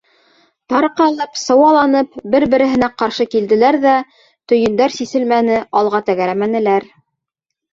Тарҡалып, сыуаланып, бер-береһенә ҡаршы килделәр ҙә, төйөндәр сиселмәне, алға тәгәрәмәнеләр.